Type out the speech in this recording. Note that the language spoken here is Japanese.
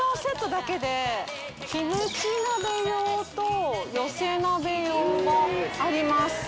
キムチ鍋用と寄せ鍋用があります。